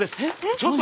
ちょっと！